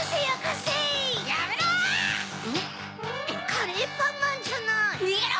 ⁉カレーパンマンじゃない！にげろ！